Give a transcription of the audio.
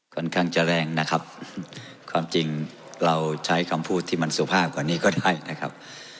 ค่อนข้างจะแรงนะครับความจริงเราใช้คำพูดที่มันสุภาพกว่านี้ก็ได้นะครับ